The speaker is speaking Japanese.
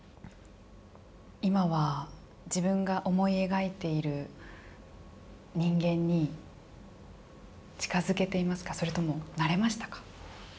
今は自分が思い描いている人間に近づけていますかそれとも、なれましたか。